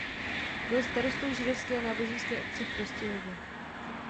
Byl starostou židovské náboženské obce v Prostějově.